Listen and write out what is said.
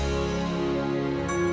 kamu juga jaga panduannya